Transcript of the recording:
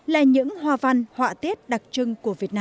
là những hoa văn họa tiết đặc trưng